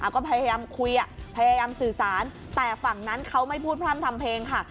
ก็พยายามคุยพยายามสื่อสารแต่ฝั่งนั้นเขาไม่พูดพร่ำทำเพลงค่ะ